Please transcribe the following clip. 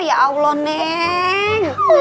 ya allah neng